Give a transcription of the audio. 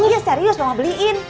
iya serius dong beliin